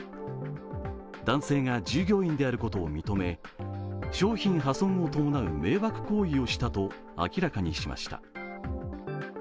男性が従業員であることを認め商品破損を伴う迷惑行為をしたと明らかにしました。